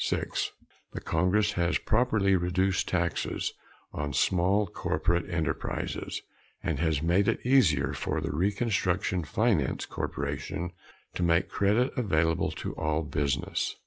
(6) The Congress has properly reduced taxes on small corporate enterprises, and has made it easier for the Reconstruction Finance Corporation to make credit available to all business.